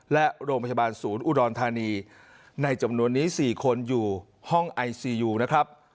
และโรงพยาบาลศูนย์อุดรธานีในจำนวนนี้๔คนอยู่ห้องไอซียูนะครับ